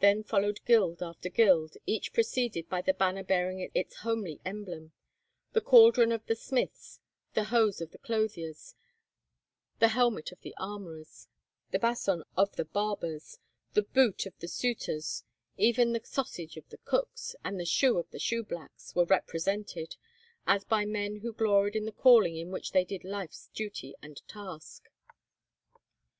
Then followed guild after guild, each preceded by the banner bearing its homely emblem—the cauldron of the smiths, the hose of the clothiers, the helmet of the armourers, the bason of the barbers, the boot of the sutors; even the sausage of the cooks, and the shoe of the shoeblacks, were re presented, as by men who gloried in the calling in which they did life's duty and task.